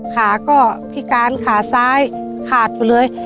ขาก็พิการขาซ้ายขาดหมดเลย